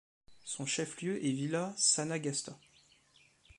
Son chef-lieu est Villa Sanagasta.